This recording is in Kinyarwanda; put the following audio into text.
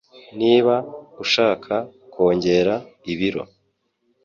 Niba ushaka kongera ibiro